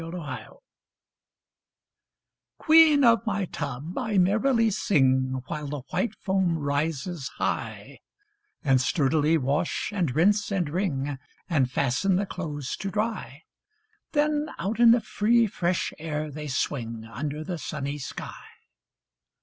8 Autoplay Queen of my tub, I merrily sing, While the white foam raises high, And sturdily wash, and rinse, and wring, And fasten the clothes to dry; Then out in the free fresh air they swing, Under the sunny sky.